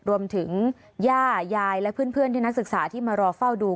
ย่ายายและเพื่อนที่นักศึกษาที่มารอเฝ้าดู